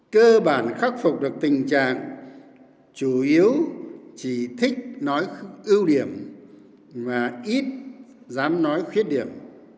cơ bản khắc phục được tình trạng chủ yếu chỉ thích nói ưu điểm và ít dám nói khuyết điểm